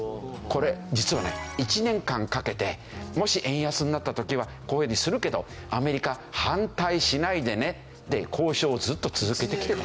これ実はね１年間かけてもし円安になった時はこういうふうにするけどアメリカは反対しないでねって交渉をずっと続けてきてた。